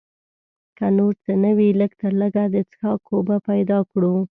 که نور څه نه وي لږ تر لږه د څښاک اوبه پیدا کړو.